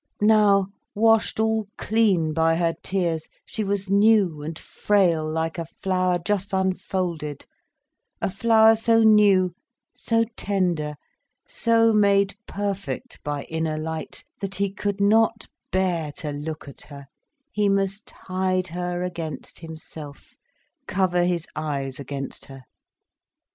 Now; washed all clean by her tears, she was new and frail like a flower just unfolded, a flower so new, so tender, so made perfect by inner light, that he could not bear to look at her, he must hide her against himself, cover his eyes against her.